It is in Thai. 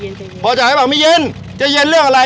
ใจเย็นใจเย็นพอจ่ายไหมไม่เย็นใจเย็นเรื่องอะไร